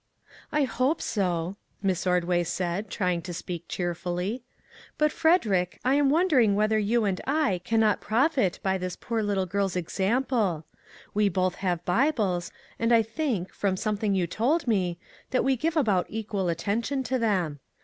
" I hope so," Miss Ordway said, trying to speak cheerfully ;" but Frederick, I am wonder ing whether you and I can not profit by this poor little girl's example. We both have Bibles and I think, from something you told me, that we give about equal attention to them.